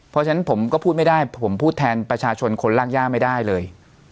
เพราะฉะนั้นผมก็พูดไม่ได้ผมพูดแทนประชาชนคนรากย่าไม่ได้เลย